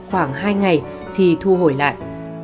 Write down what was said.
khoảng hai ngày thì thu hồi lại